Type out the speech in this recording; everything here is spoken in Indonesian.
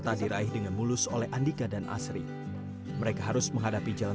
kalau ditanya apakah agredaya memberikan impact ke masyarakat